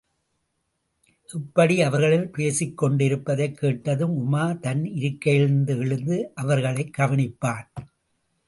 இப்படி அவர்கள் பேசிக்கொண்டிருப்பதைக் கேட்டதும் உமார் தன் இருக்கையிலிருந்து, எழுந்து அவர்களைக் கவனிப்பான்.